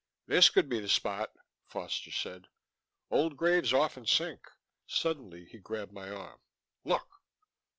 "This could be the spot," Foster said. "Old graves often sink " Suddenly he grabbed my arm. "Look...!"